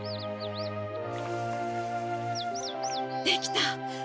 できた！